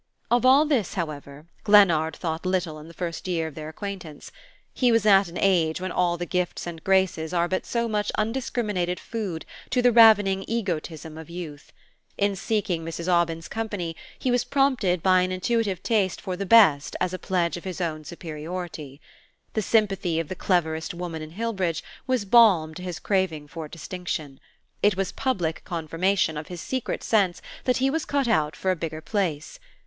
Of all this, however, Glennard thought little in the first year of their acquaintance. He was at an age when all the gifts and graces are but so much undiscriminated food to the ravening egoism of youth. In seeking Mrs. Aubyn's company he was prompted by an intuitive taste for the best as a pledge of his own superiority. The sympathy of the cleverest woman in Hillbridge was balm to his craving for distinction: it was public confirmation of his secret sense that he was cut out for a bigger place.